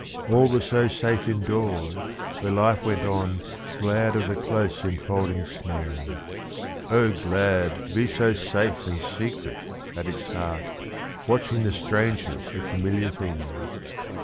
All was so safe indoors where life went on Glad of the close enfolding snow O glad To be so safe and secret at its heart, Watching the strangeness of familiar things.